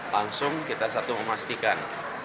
langsung kita satu memastikan